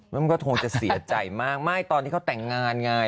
แล้วมันก็คงจะเสียใจมากไม่ตอนที่เขาแต่งงานไง